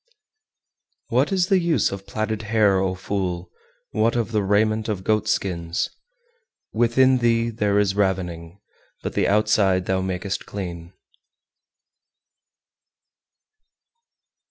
394. What is the use of platted hair, O fool! what of the raiment of goat skins? Within thee there is ravening, but the outside thou makest clean.